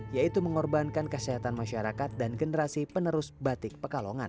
yaitu mengorbankan kesehatan masyarakat dan generasi penerus batik pekalongan